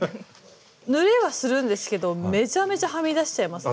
塗れはするんですけどめちゃめちゃはみ出しちゃいますね。